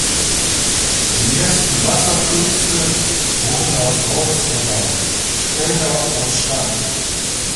Die ersten Wasserkünste wurden aus Holz erbaut, später aus Stein.